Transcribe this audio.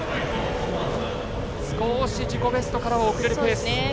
少し自己ベストからは遅れるペース。